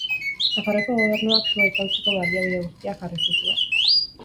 Nafarroako Gobernuak sua itzaltzeko baliabide guztiak jarri zituen.